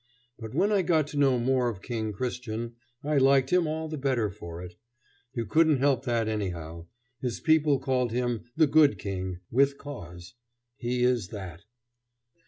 But when I got to know more of King Christian, I liked him all the better for it. You couldn't help that anyhow. His people call him "the good king" with cause. He is that.